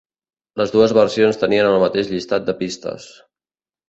Les dues versions tenien el mateix llistat de pistes.